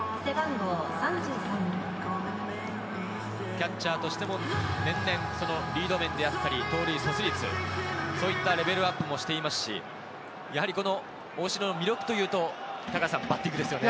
キャッチャーとしても、年々リード面であったり、盗塁阻止率、そういったレベルアップもしていますし、やはり大城の魅力というとバッティングですよね。